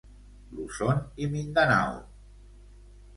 Luzon i Mindanao.